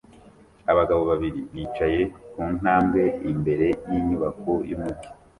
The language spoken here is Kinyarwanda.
Abagabo babiri bicaye ku ntambwe imbere y'inyubako y'umujyi